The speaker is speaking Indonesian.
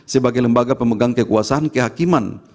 sebagai lembaga pemegang kekuasaan kehakiman